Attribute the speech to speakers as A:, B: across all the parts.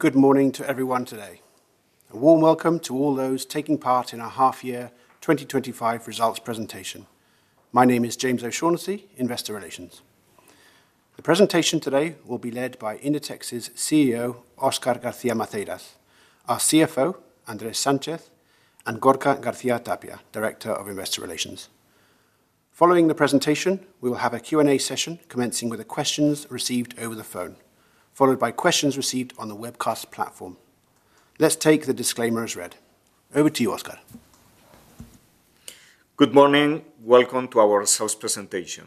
A: Good morning to everyone today. A warm welcome to all those taking part in our half-year 2025 results presentation. My name is James O'Shaughnessy, Investor Relations. The presentation today will be led by Inditex's CEO, Óscar García Maceiras, our CFO, Andrés Sánchez, and Gorka Garcia-Tapia, Director of Investor Relations. Following the presentation, we will have a Q&A session commencing with the questions received over the phone, followed by questions received on the webcast platform. Let's take the disclaimer as read. Over to you, Óscar.
B: Good morning. Welcome to our results presentation.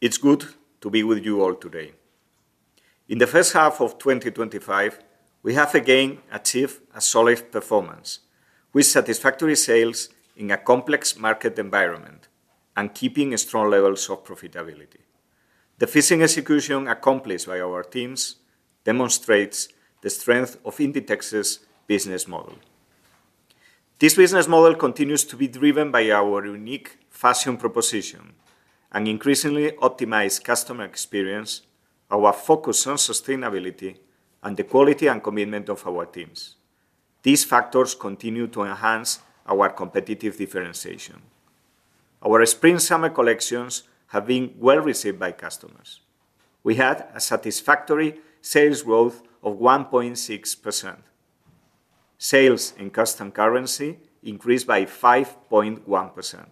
B: It's good to be with you all today. In the first half of 2025, we have again achieved a solid performance with satisfactory sales in a complex market environment and keeping strong levels of profitability. The phasing execution accomplished by our teams demonstrates the strength of Inditex's business model. This business model continues to be driven by our unique fashion proposition and increasingly optimized customer experience, our focus on sustainability, and the quality and commitment of our teams. These factors continue to enhance our competitive differentiation. Our spring/summer collections have been well received by customers. We had a satisfactory sales growth of 1.6%. Sales in constant currency increased by 5.1%.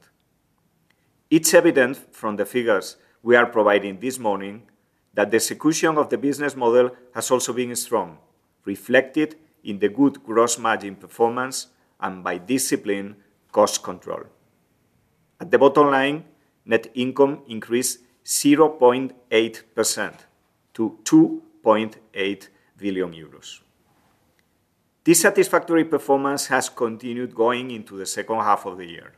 B: It's evident from the figures we are providing this morning that the execution of the business model has also been strong, reflected in the good gross margin performance and by disciplined cost control. At the bottom line, net income increased 0.8% to EUR 2.8 billion. This satisfactory performance has continued going into the second half of the year.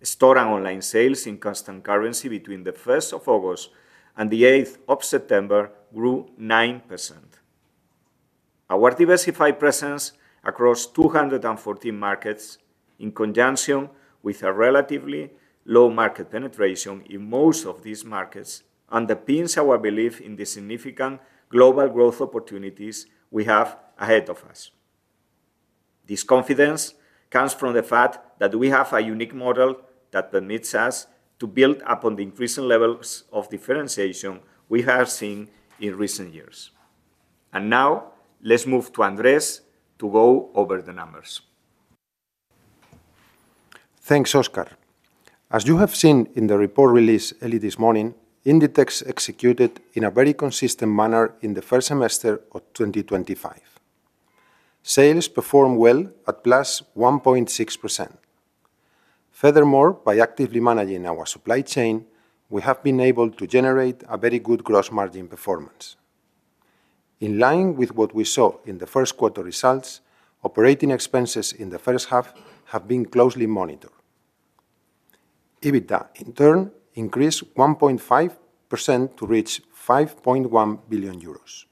B: Store and online sales in constant currency between the 1st of August and the 8th of September grew 9%. Our diversified presence across 214 markets, in conjunction with a relatively low market penetration in most of these markets, underpins our belief in the significant global growth opportunities we have ahead of us. This confidence comes from the fact that we have a unique model that permits us to build upon the increasing levels of differentiation we have seen in recent years. Now, let's move to Andrés to go over the numbers.
C: Thanks, Óscar. As you have seen in the report released early this morning, Inditex executed in a very consistent manner in the first semester of 2025. Sales performed well at +1.6%. Furthermore, by actively managing our supply chain, we have been able to generate a very good gross margin performance. In line with what we saw in the first quarter results, operating expenses in the first half have been closely monitored. EBITDA, in turn, increased 1.5% to reach 5.1 billion euros.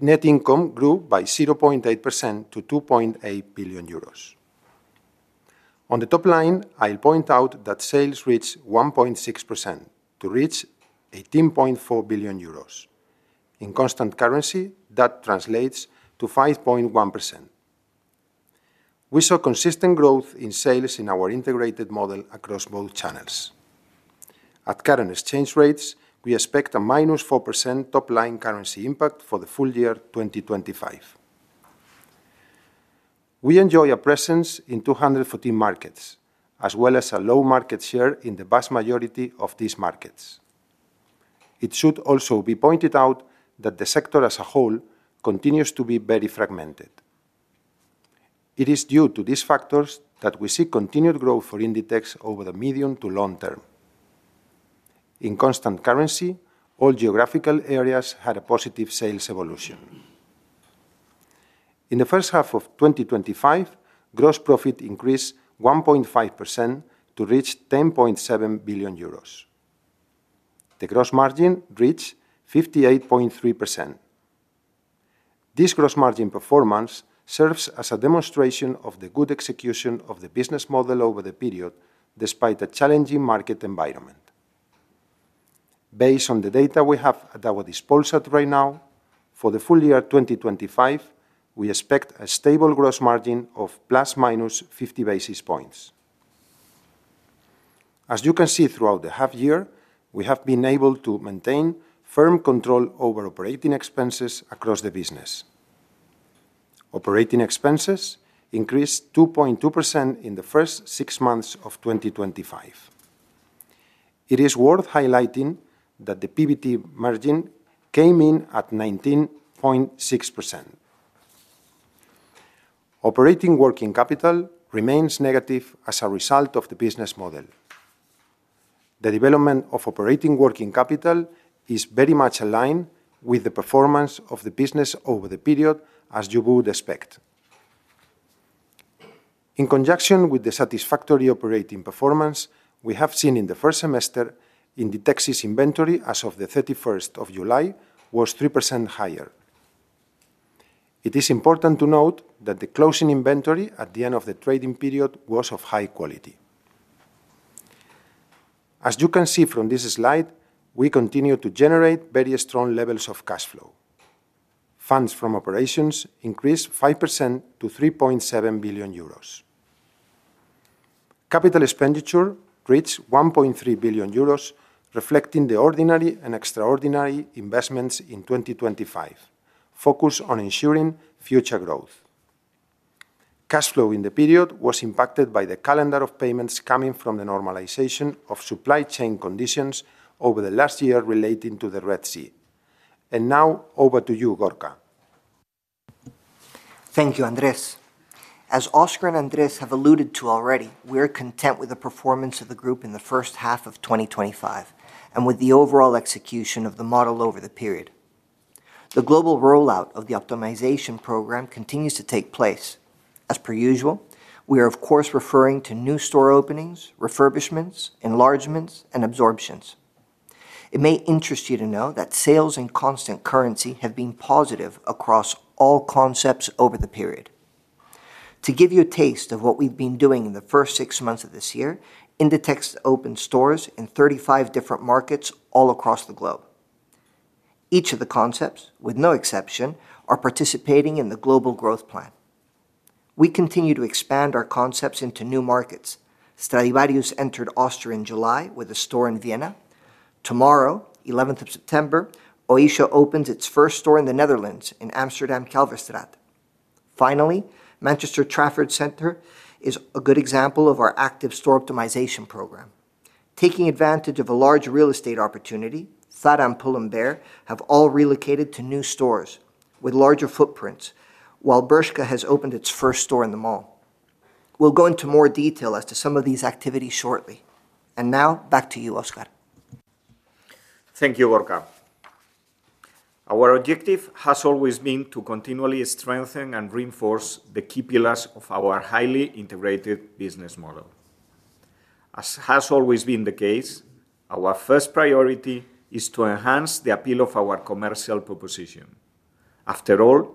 C: Net income grew by 0.8% to 2.8 billion euros. On the top line, I'll point out that sales reached 1.6% to reach 18.4 billion euros. In constant currency, that translates to 5.1%. We saw consistent growth in sales in our integrated model across both channels. At current exchange rates, we expect a -4% top-line currency impact for the full year 2025. We enjoy a presence in 214 markets, as well as a low market share in the vast majority of these markets. It should also be pointed out that the sector as a whole continues to be very fragmented. It is due to these factors that we see continued growth for Inditex over the medium to long term. In constant currency, all geographical areas had a positive sales evolution. In the first half of 2025, gross profit increased 1.5% to reach 10.7 billion euros. The gross margin reached 58.3%. This gross margin performance serves as a demonstration of the good execution of the business model over the period, despite a challenging market environment. Based on the data we have at our disposal right now, for the full year 2025, we expect a stable gross margin of ±50 basis points. As you can see throughout the half-year, we have been able to maintain firm control over operating expenses across the business. Operating expenses increased 2.2% in the first six months of 2025. It is worth highlighting that the PBT margin came in at 19.6%. Operating working capital remains negative as a result of the business model. The development of operating working capital is very much aligned with the performance of the business over the period, as you would expect. In conjunction with the satisfactory operating performance we have seen in the first semester, Inditex's inventory as of 31st of July was 3% higher. It is important to note that the closing inventory at the end of the trading period was of high quality. As you can see from this slide, we continue to generate very strong levels of cash flow. Funds from operations increased 5% to 3.7 billion euros. Capital expenditure reached 1.3 billion euros, reflecting the ordinary and extraordinary investments in 2025, focused on ensuring future growth. Cash flow in the period was impacted by the calendar of payments coming from the normalization of supply chain conditions over the last year relating to the Red Sea. Now, over to you, Gorka.
D: Thank you, Andrés. As Óscar and Andrés have alluded to already, we are content with the performance of the group in the first half of 2025 and with the overall execution of the model over the period. The global rollout of the optimization program continues to take place. As per usual, we are, of course, referring to new store openings, refurbishments, enlargements, and absorptions. It may interest you to know that sales in constant currency have been positive across all concepts over the period. To give you a taste of what we've been doing in the first six months of this year, Inditex opened stores in 35 different markets all across the globe. Each of the concepts, with no exception, are participating in the global growth plan. We continue to expand our concepts into new markets. Stradivarius entered Austria in July with a store in Vienna. Tomorrow, 11th of September, Oysho opens its first store in the Netherlands in Amsterdam Kalverstraat. Finally, Manchester Trafford Centre is a good example of our active store optimization program. Taking advantage of a large real estate opportunity, Zara and Pull&Bear there have all relocated to new stores with larger footprints, while Bershka has opened its first store in the mall. We'll go into more detail as to some of these activities shortly. Now, back to you, Óscar.
B: Thank you, Gorka. Our objective has always been to continually strengthen and reinforce the key pillars of our highly integrated business model. As has always been the case, our first priority is to enhance the appeal of our commercial proposition. After all,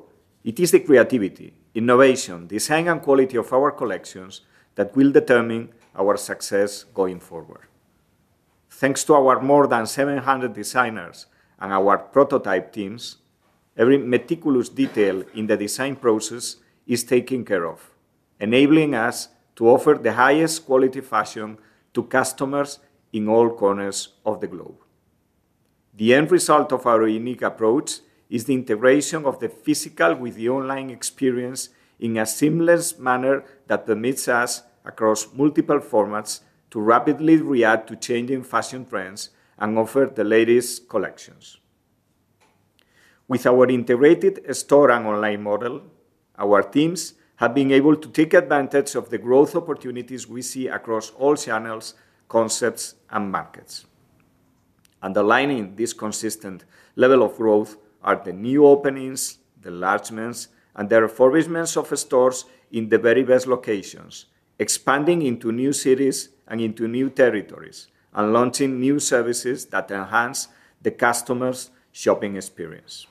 B: it is the creativity, innovation, design, and quality of our collections that will determine our success going forward. Thanks to our more than 700 designers and our prototype teams, every meticulous detail in the design process is taken care of, enabling us to offer the highest quality fashion to customers in all corners of the globe. The end result of our unique approach is the integration of the physical with the online experience in a seamless manner that permits us, across multiple formats, to rapidly react to changing fashion trends and offer the latest collections. With our integrated store and online model, our teams have been able to take advantage of the growth opportunities we see across all channels, concepts, and markets. Underlining this consistent level of growth are the new openings, the enlargements, and the refurbishments of stores in the very best locations, expanding into new cities and into new territories, and launching new services that enhance the customer's shopping experience.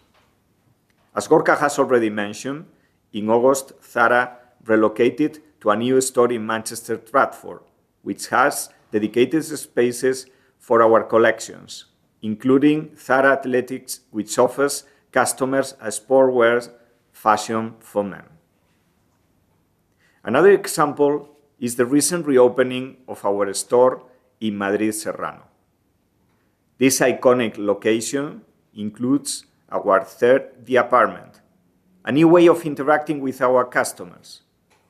B: As Gorka has already mentioned, in August, Zara relocated to a new store in Manchester Trafford, which has dedicated spaces for our collections, including Zara Athletics, which offers customers a sportswear fashion footprint. Another example is the recent reopening of our store in Madrid Serrano. This iconic location includes our third The Apartment, a new way of interacting with our customers,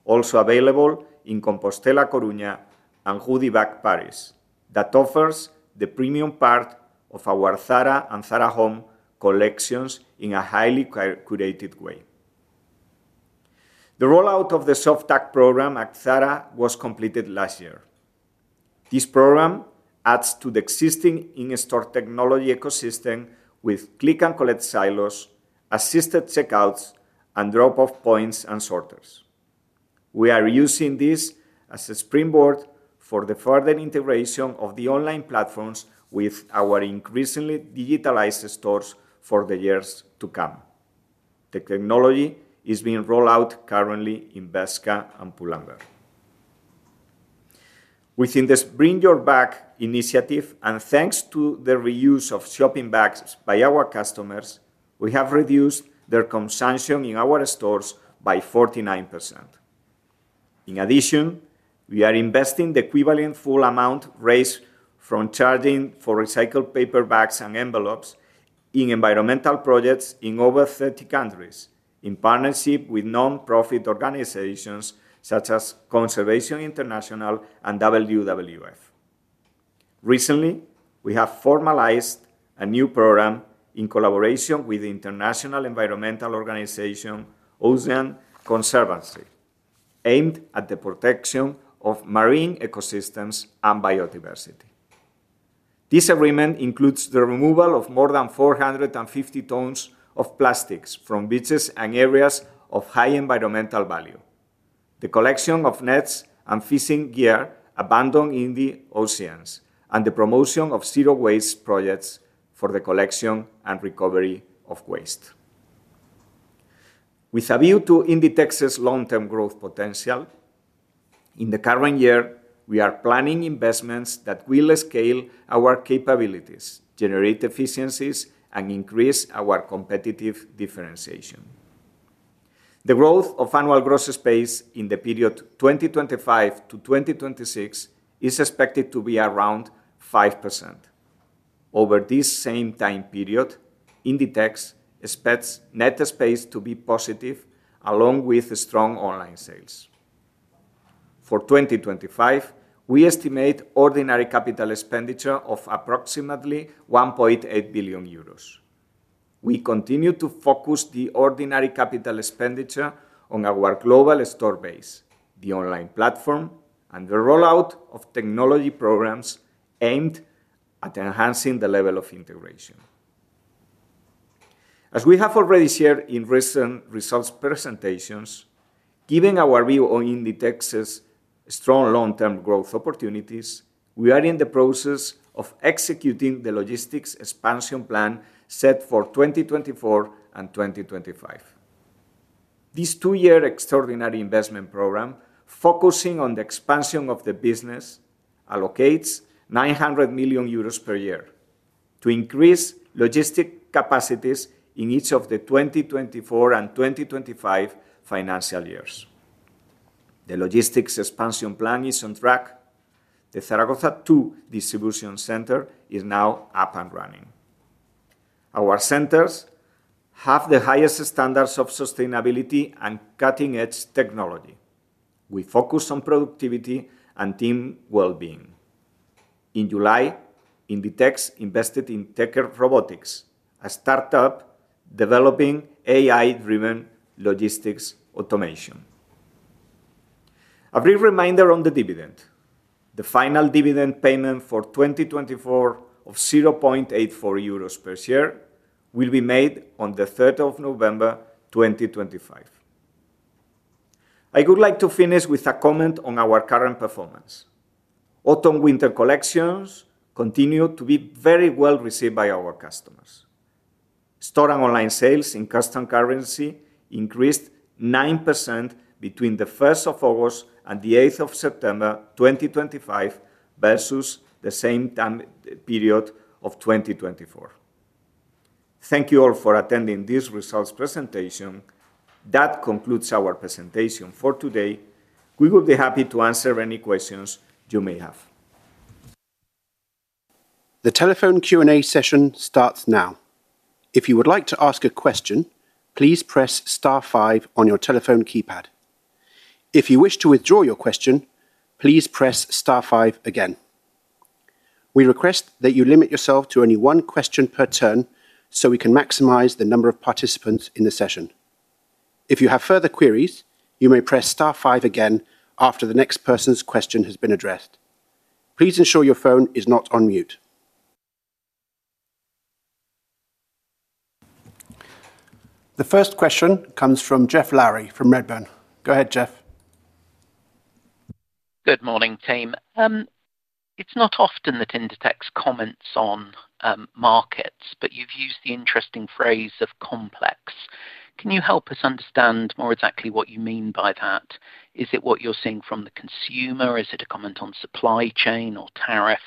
B: also available in Compostela-Coruña and Rue du Bac Paris, that offers the premium part of our Zara and Zara Home collections in a highly curated way. The rollout of the soft tag program at Zara was completed last year. This program adds to the existing in-store technology ecosystem with click-and-collect silos, assisted checkouts, and drop-off points and sorters. We are using this as a springboard for the further integration of the online platforms with our increasingly digitalized stores for the years to come. The technology is being rolled out currently in Bershka and Pull&Bear. Within the #BRINGYOURBAG initiative, and thanks to the reuse of shopping bags by our customers, we have reduced their consumption in our stores by 49%. In addition, we are investing the equivalent full amount raised from charging for recycled paper bags and envelopes in environmental projects in over 30 countries, in partnership with nonprofit organizations such as Conservation International and WWF. Recently, we have formalized a new program in collaboration with the international environmental organization, Ocean Conservancy, aimed at the protection of marine ecosystems and biodiversity. This agreement includes the removal of more than 450 tons of plastics from beaches and areas of high environmental value, the collection of nets and fishing gear abandoned in the oceans, and the promotion of zero-waste projects for the collection and recovery of waste. With a view to Inditex's long-term growth potential, in the current year, we are planning investments that will scale our capabilities, generate efficiencies, and increase our competitive differentiation. The growth of annual gross space in the period 2025-2026 is expected to be around 5%. Over this same time period, Inditex expects net space to be positive, along with strong online sales. For 2025, we estimate ordinary capital expenditure of approximately 1.8 billion euros. We continue to focus the ordinary capital expenditure on our global store base, the online platform, and the rollout o technology programs aimed at enhancing the level of integration. As we have already shared in recent results presentations, given our view on Inditex's strong long-term growth opportunities, we are in the process of executing the logistics expansion plan set for 2024 and 2025. This two-year extraordinary investment program, focusing on the expansion of the business, allocates 900 million euros per year to increase logistic capacities in each of the 2024 and 2025 financial years. The logistics expansion plan is on track. The Zaragoza II Distribution Centre is now up and running. Our centers have the highest standards of sustainability and cutting-edge technology. We focus on productivity and team well-being. In July, Inditex invested in Tecker Robotics, a startup developing AI-driven logistics automation. A brief reminder on the dividend. The final dividend payment for 2024 of 0.84 euros per share will be made on the 3rd of November 2025. I would like to finish with a comment on our current performance. Autumn/winter collections continue to be very well received by our customers. Store and online sales in constant currency increased 9% between the 1st of August and the 8th of September 2025 versus the same time period of 2024. Thank you all for attending this results presentation. That concludes our presentation for today. We would be happy to answer any questions you may have.
A: The telephone Q&A session starts now. If you would like to ask a question, please press star five on your telephone keypad. If you wish to withdraw your question, please press star five again. We request that you limit yourself to only one question per turn so we can maximize the number of participants in the session. If you have further queries, you may press star five again after the next person's question has been addressed. Please ensure your phone is not on mute. The first question comes from Geoff Lowery from Redburn. Go ahead, Geoff.
E: Good morning, team. It's not often that Inditex comments on markets, but you've used the interesting phrase of complex. Can you help us understand more exactly what you mean by that? Is it what you're seeing from the consumer? Is it a comment on supply chain or tariffs?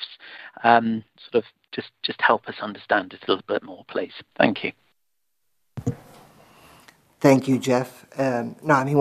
E: Just help us understand a little bit more, please. Thank you.
C: Thank you, Jeff. When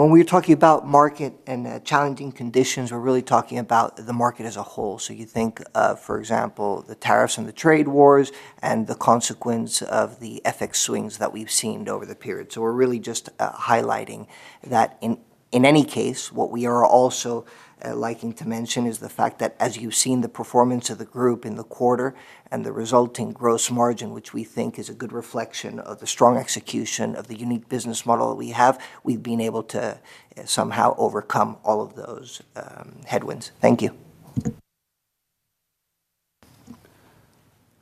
C: we're talking about market and challenging conditions, we're really talking about the market as a whole. For example, the tariffs and the trade wars and the consequence of the FX swings that we've seen over the period. We're really just highlighting that in any case, what we are also liking to mention is the fact that as you've seen the performance of the group in the quarter and the resulting gross margin, which we think is a good reflection of the strong execution of the unique business model that we have, we've been able to somehow overcome all of those headwinds. Thank you.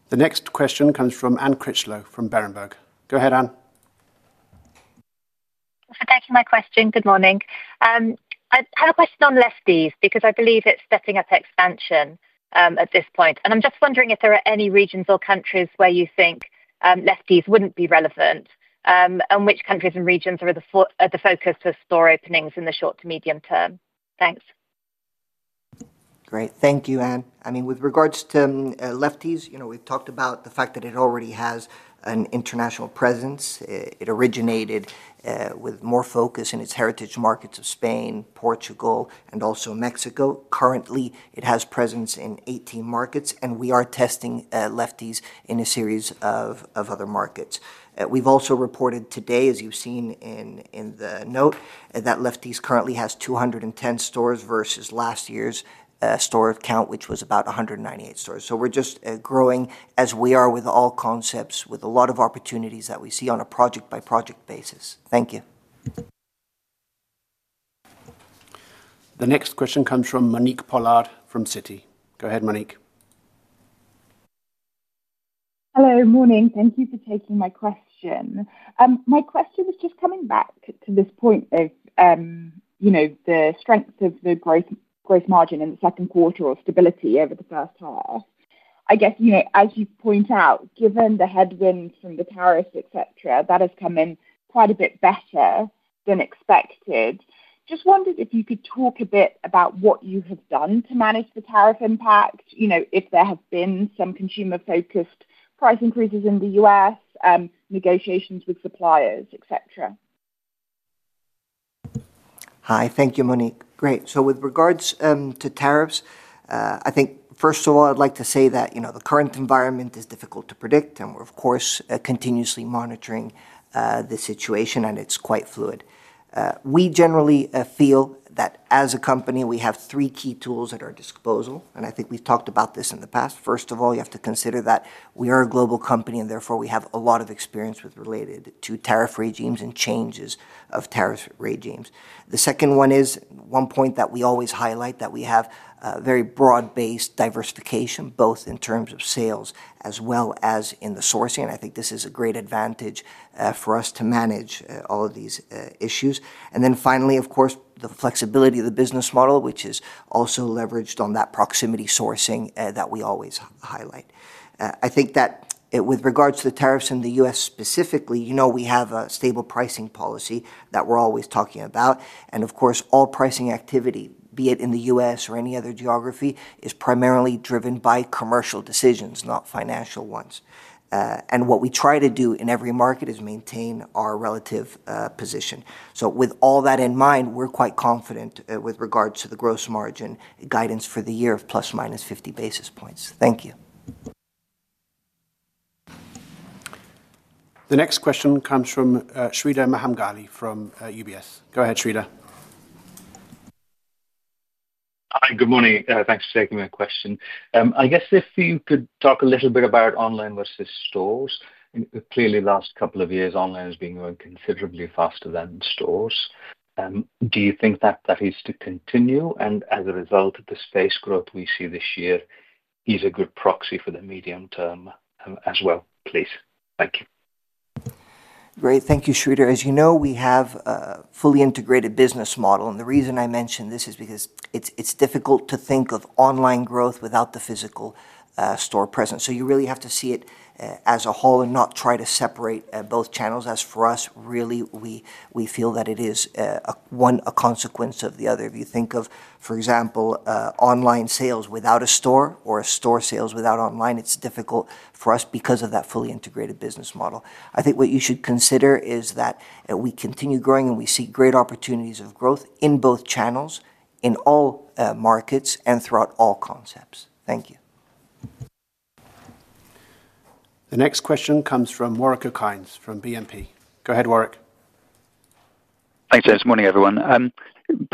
A: The next question comes from Anne Critchlow from Berenberg. Go ahead, Anne.
F: Thank you for that question. Good morning. I have a question on Lefties because I believe it's stepping up expansion at this point. I'm just wondering if there are any regions or countries where you think Lefties wouldn't be relevant, and which countries and regions are the focus for store openings in the short to medium term. Thanks.
C: Great. Thank you, Anne. I mean, with regards to Lefties, you know, we've talked about the fact that it already has an international presence. It originated with more focus in its heritage markets of Spain, Portugal, and also Mexico. Currently, it has presence in 18 markets, and we are testing Lefties in a series of other markets. We've also reported today, as you've seen in the note, that Lefties currently has 210 stores versus last year's store count, which was about 198 stores. We're just growing as we are with all concepts, with a lot of opportunities that we see on a project-by-project basis. Thank you.
A: The next question comes from Monique Pollard from Citi. Go ahead, Monique.
G: Hello, morning. Thank you for taking my question. My question is just coming back to this point of, you know, the strength of the gross margin in the second quarter or stability over the first half. I guess, you know, as you point out, given the headwinds from the tariffs, etc., that has come in quite a bit better than expected. Just wondered if you could talk a bit about what you have done to manage the tariff impact, you know, if there have been some consumer-focused price increases in the U.S., negotiations with suppliers, etc.
C: Hi, thank you, Monique. Great. With regards to tariffs, first of all, I'd like to say that the current environment is difficult to predict, and we're, of course, continuously monitoring the situation, and it's quite fluid. We generally feel that as a company, we have three key tools at our disposal, and I think we've talked about this in the past. First of all, you have to consider that we are a global company, and therefore we have a lot of experience related to tariff regimes and changes of tariff regimes. The second one is one point that we always highlight, that we have a very broad-based diversification, both in terms of sales as well as in the sourcing. I think this is a great advantage for us to manage all of these issues. Finally, of course, the flexibility of the business model, which is also leveraged on that proximity sourcing that we always highlight. With regards to the tariffs in the U.S. specifically, we have a stable pricing policy that we're always talking about. Of course, all pricing activity, be it in the U.S. or any other geography, is primarily driven by commercial decisions, not financial ones. What we try to do in every market is maintain our relative position. With all that in mind, we're quite confident with regards to the gross margin guidance for the year of plus minus 50 basis points. Thank you.
A: The next question comes from Sreedhar Mahamkali from UBS. Go ahead, Sreedhar.
H: Good morning. Thanks for taking my question. I guess if you could talk a little bit about online versus stores, clearly the last couple of years online has been growing considerably faster than stores. Do you think that that needs to continue? As a result of the space growth we see this year, is it a good proxy for the medium term as well, please? Thank you.
C: Great, thank you, Sreedhar. As you know, we have a fully integrated business model. The reason I mention this is because it's difficult to think of online growth without the physical store presence. You really have to see it as a whole and not try to separate both channels. For us, really, we feel that it is one a consequence of the other. If you think of, for example, online sales without a store or store sales without online, it's difficult for us because of that fully integrated business model. What you should consider is that we continue growing and we see great opportunities of growth in both channels, in all markets, and throughout all concepts. Thank you.
A: The next question comes from Warwick Okines from BNP. Go ahead, Warwick.
I: Thanks, James. Morning, everyone.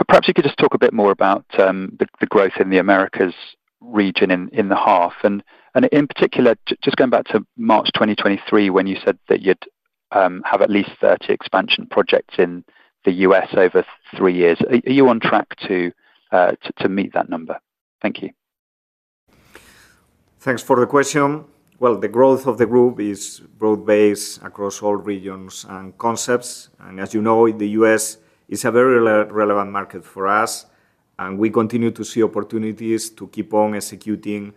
I: Perhaps you could just talk a bit more about the growth in the Americas region in the half, and in particular, just going back to March 2023, when you said that you'd have at least 30 expansion projects in the U.S. over three years. Are you on track to meet that number? Thank you.
B: Thanks for the question. The growth of the group is broad-based across all regions and concepts. As you know, the U.S. is a very relevant market for us, and we continue to see opportunities to keep on executing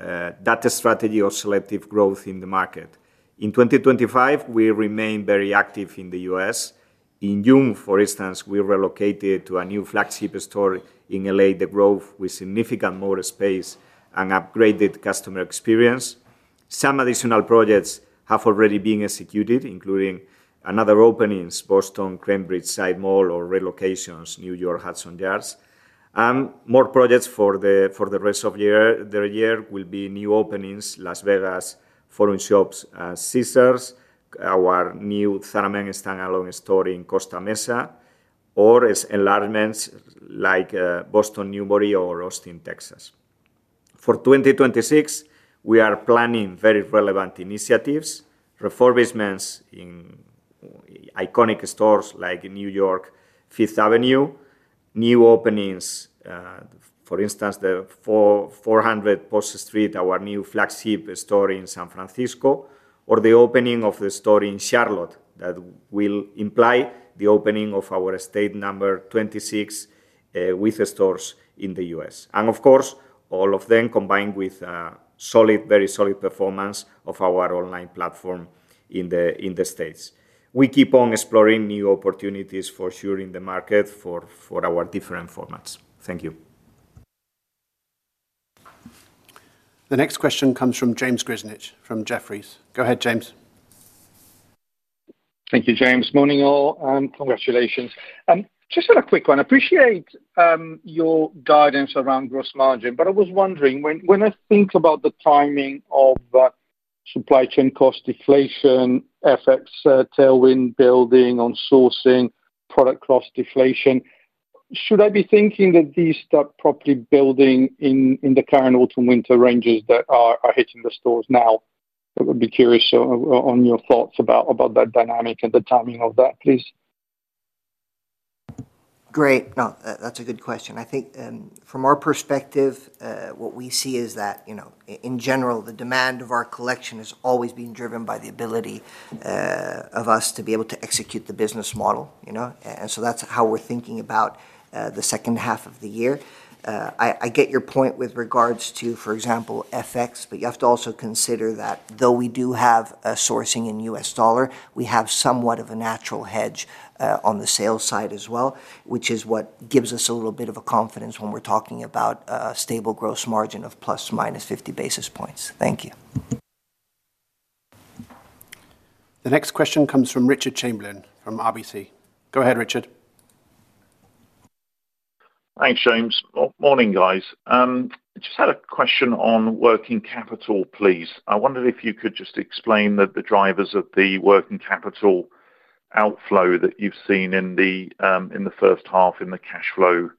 B: that strategy of selective growth in the market. In 2025, we remain very active in the US. In June, for instance, we relocated to a new flagship store in L.A., the Grove, with significantly more space and upgraded customer experience. Some additional projects have already been executed, including another opening in Boston, Cambridge Side Mall, or relocations, New York, Hudson Yards. More projects for the rest of the year will be new openings, Las Vegas, foreign shops in Caesar's, our new Zara Men stand-alone store in Costa Mesa, or enlargements like Boston Newbury or Austin, Texas. For 2026, we are planning very relevant initiatives, refurbishments in iconic stores like New York, Fifth Avenue, new openings, for instance, the 400 Post Street, our new flagship store in San Francisco, or the opening of the store in Charlotte that will imply the opening of our estate number 26 with stores in the U.S. Of course, all of them combined with a solid, very solid performance of our online platform in the States. We keep on exploring new opportunities for sure in the market for our different formats. Thank you.
A: The next question comes from James Grzinic from Jefferies. Go ahead, James.
I: Thank you, James. Morning all and congratulations. Just had a quick one. I appreciate your guidance around gross margin, but I was wondering, when I think about the timing of supply chain cost deflation, FX tailwind building on sourcing, product cost deflation, should I be thinking that these start properly building in the current autumn-winter ranges that are hitting the stores now? I'd be curious on your thoughts about that dynamic and the timing of that, please.
C: Great. No, that's a good question. I think from our perspective, what we see is that, in general, the demand of our collection has always been driven by the ability of us to be able to execute the business model. That's how we're thinking about the second half of the year. I get your point with regards to, for example, FX, but you have to also consider that though we do have sourcing in U.S. dollar, we have somewhat of a natural hedge on the sales side as well, which is what gives us a little bit of confidence when we're talking about a stable gross margin of ±50 basis points. Thank you.
A: The next question comes from Richard Chamberlain from RBC. Go ahead, Richard.
J: Thanks, James. Morning, guys. I just had a question on working capital, please. I wondered if you could just explain the drivers of the working capital outflow that you've seen in the first half in the cash flow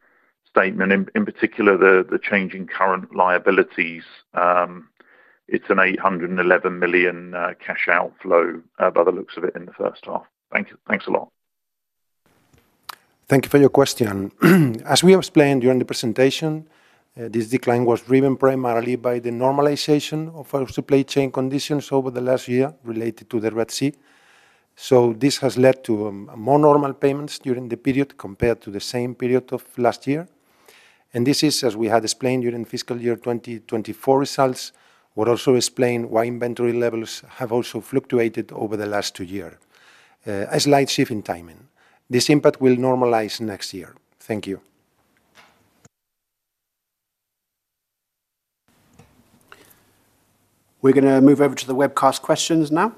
J: statement, in particular the change in current liabilities. It's an 811 million cash outflow by the looks of it in the first half. Thanks a lot.
B: Thank you for your question. As we have explained during the presentation, this decline was driven primarily by the normalization of our supply chain conditions over the last year related to the Red Sea. This has led to more normal payments during the period compared to the same period of last year. As we had explained during the fiscal year 2024 results, this would also explain why inventory levels have also fluctuated over the last two years. A slight shift in timing. This impact will normalize next year. Thank you.
A: We're going to move over to the webcast questions now.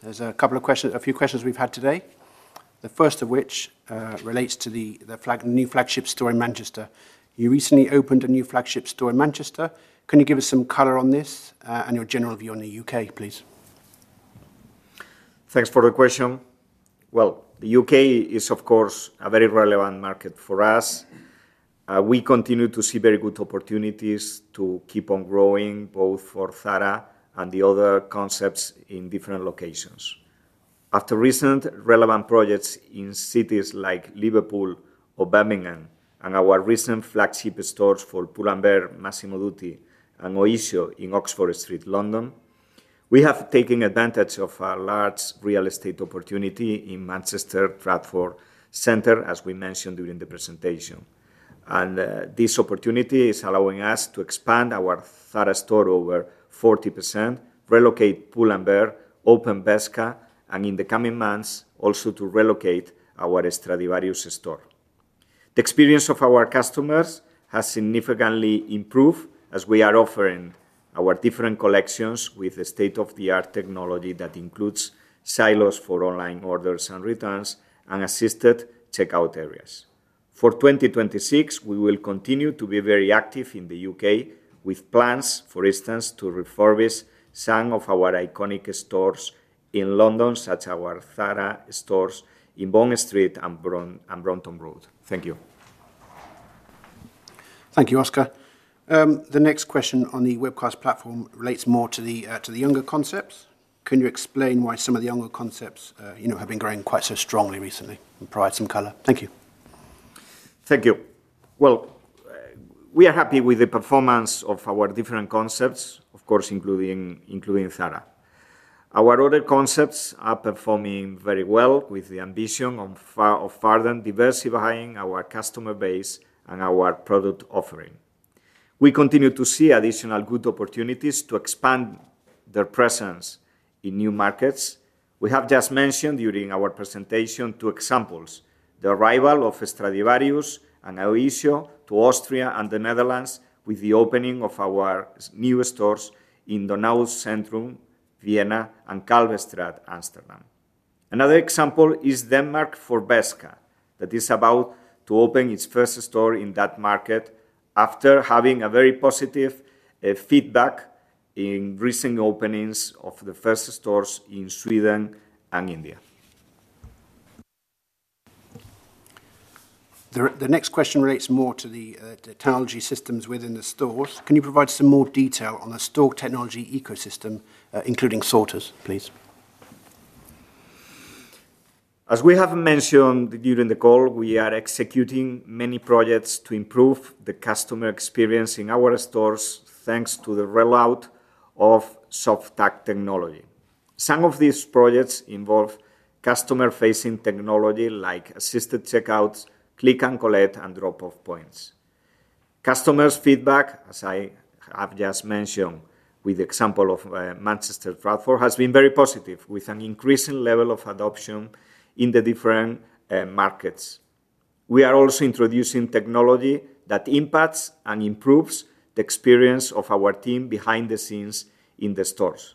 A: There are a couple of questions, a few questions we've had today. The first of which relates to the new flagship store in Manchester. You recently opened a new flagship store in Manchester. Can you give us some color on this and your general view on the U.K., please?
B: Thanks for the question. The U.K. is, of course, a very relevant market for us. We continue to see very good opportunities to keep on growing both for Zara and the other concepts in different locations. After recent relevant projects in cities like Liverpool or Birmingham and our recent flagship stores for Pull&Bear, Massimo Dutti, and Oyso in Oxford Street, London, we have taken advantage of a large real estate opportunity in Manchester Trafford Centre, as we mentioned during the presentation. This opportunity is allowing us to expand our Zara store over 40%, relocate Pull&Bear, open Bershka, and in the coming months, also to relocate our Stradivarius store. The experience of our customers has significantly improved as we are offering our different collections with the state-of-the-art technology that includes silos for online orders and returns and assisted checkout areas. For 2026, we will continue to be very active in the U.K. with plans, for instance, to refurbish some of our iconic stores in London, such as our Zara stores in Bond Street and Brompton Road. Thank you.
A: Thank you, Óscar. The next question on the webcast platform relates more to the younger concepts. Can you explain why some of the younger concepts have been growing quite so strongly recently and provide some color? Thank you.
B: Thank you. We are happy with the performance of our different concepts, of course, including Zara. Our other concepts are performing very well with the ambition of further diversifying our customer base and our product offering. We continue to see additional good opportunities to expand their presence in new markets. We have just mentioned during our presentation two examples: the arrival of Stradivarius and Oysho to Austria and the Netherlands with the opening of our new stores in the Nau Centrum, Vienna, and Kalverstraat, Amsterdam. Another example is Denmark for Bershka that is about to open its first store in that market after having very positive feedback in recent openings of the first stores in Sweden and India.
A: The next question relates more to the technology systems within the stores. Can you provide some more detail on the store technology ecosystem, including sorters, please?
B: As we have mentioned during the call, we are executing many projects to improve the customer experience in our stores thanks to the rollout of soft tag technology. Some of these projects involve customer-facing technology like assisted checkouts, click-and-collect, and drop-off points. Customers' feedback, as I have just mentioned with the example of Manchester Trafford, has been very positive with an increasing level of adoption in the different markets. We are also introducing technology that impacts and improves the experience of our team behind the scenes in the stores.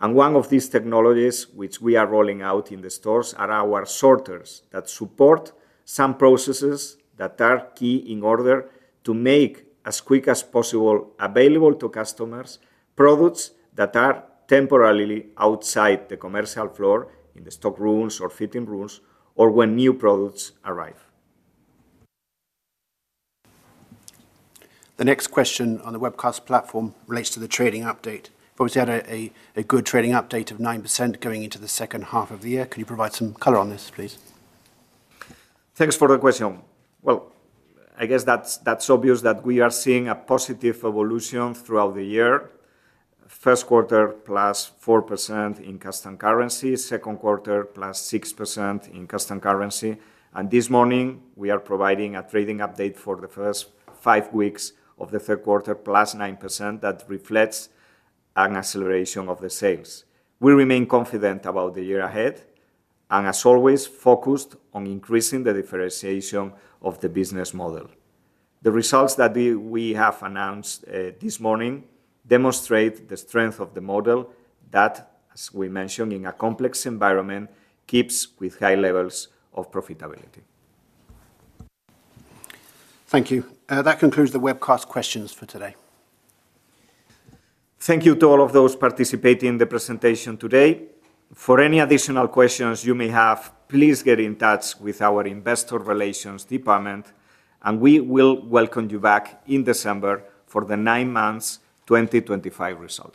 B: One of these technologies which we are rolling out in the stores are our sorters that support some processes that are key in order to make as quick as possible available to customers products that are temporarily outside the commercial floor in the stock rooms or fitting rooms or when new products arrive.
A: The next question on the webcast platform relates to the trading update. We've obviously had a good trading update of 9% going into the second half of the year. Can you provide some color on this, please?
B: Thanks for the question. It's obvious that we are seeing a positive evolution throughout the year. First quarter +4% in constant currency, second quarter +6% in constant currency. This morning, we are providing a trading update for the first five weeks of the third quarter +9% that reflects an acceleration of the sales. We remain confident about the year ahead and, as always, focused on increasing the differentiation of the business model. The results that we have announced this morning demonstrate the strength of the model that, as we mentioned, in a complex environment, keeps with high levels of profitability.
A: Thank you. That concludes the webcast questions for today.
B: Thank you to all of those participating in the presentation today. For any additional questions you may have, please get in touch with our Investor Relations Department, and we will welcome you back in December for the nine-month 2025 results.